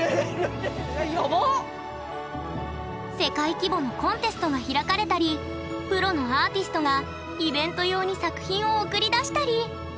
世界規模のコンテストが開かれたりプロのアーティストがイベント用に作品を送り出したり。